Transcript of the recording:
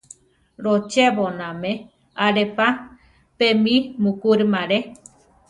Lochéboname ale pa, pe mi mukúrima alé.